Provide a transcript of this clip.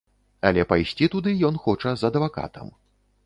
Але пайсці туды ён хоча з адвакатам.